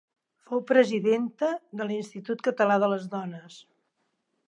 Fou presidenta de l'Institut Català de les Dones.